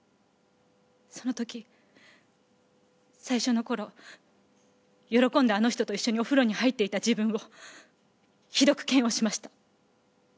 その時最初の頃喜んであの人と一緒にお風呂に入っていた自分をひどく嫌悪しました。